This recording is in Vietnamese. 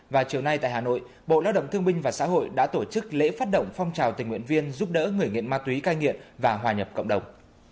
và chiều nay tại hà nội bộ lao động thương minh và xã hội đã tổ chức lễ phát động phong trào tình nguyện viên giúp đỡ người nghiện ma túy cai nghiện và hòa nhập cộng đồng